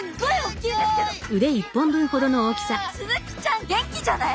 スズキちゃん元気じゃない？